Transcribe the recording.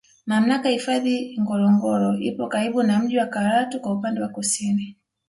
Mamlaka ya hifadhi Ngorongoro ipo karibu na mji wa Karatu kwa upande wa kusini